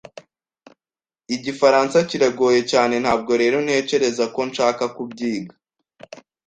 Igifaransa kiragoye cyane, ntabwo rero ntekereza ko nshaka kubyiga.